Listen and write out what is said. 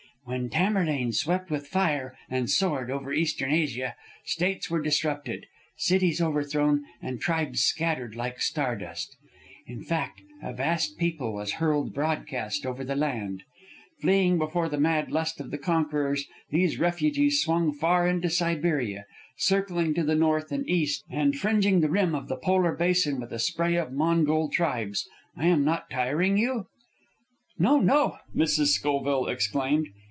"When Tamerlane swept with fire and sword over Eastern Asia, states were disrupted, cities overthrown, and tribes scattered like star dust. In fact, a vast people was hurled broadcast over the land. Fleeing before the mad lust of the conquerors, these refugees swung far into Siberia, circling to the north and east and fringing the rim of the polar basin with a spray of Mongol tribes am I not tiring you?" "No, no!" Mrs. Schoville exclaimed.